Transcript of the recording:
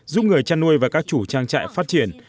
giúp người chăn nuôi và các chủ trang trại phát triển